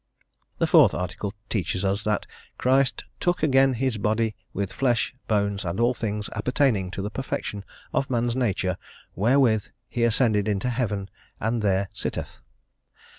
The Fourth Article teaches us that Christ "took again his body, with flesh, bones, and all things appertaining to the perfection of man's nature; wherewith he ascended into heaven, and there sitteth."